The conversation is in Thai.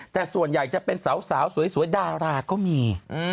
แต่ส่วนใหญ่จะเป็นสาวสวยดาราก็มี